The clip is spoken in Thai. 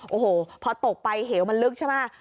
โอ้โหพอตกไปเหวมันลึกใช่ไหม